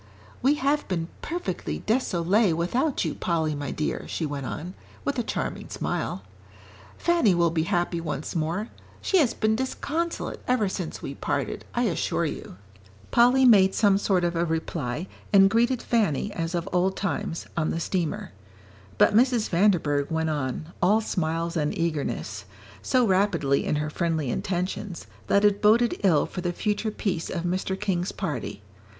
"We have been perfectly désolée without you, Polly, my dear," she went on, with a charming smile. "Fanny will be happy once more. She has been disconsolate ever since we parted, I assure you." Polly made some sort of a reply, and greeted Fanny, as of old times, on the steamer; but Mrs. Vanderburgh went on, all smiles and eagerness so rapidly in her friendly intentions, that it boded ill for the future peace of Mr. King's party.